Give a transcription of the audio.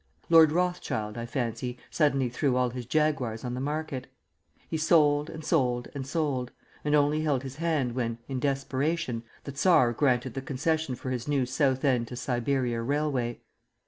Lord Rothschild, I fancy, suddenly threw all his Jaguars on the market; he sold and sold and sold, and only held his hand when, in desperation, the Tsar granted the concession for his new Southend to Siberia railway.